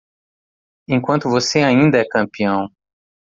Enquanto você ainda é campeão!